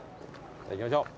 じゃあ行きましょう。